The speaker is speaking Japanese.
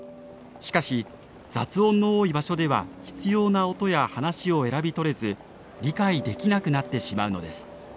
しかし雑音の多い場所では必要な音や話を選び取れず理解できなくなってしまうのです。